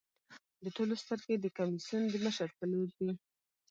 د ټولو سترګې د کمېسیون د مشر په لور دي.